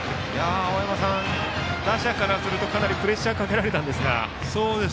打者からするとかなりプレッシャーをかけられたんですが。